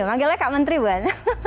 manggilnya kak menteri buan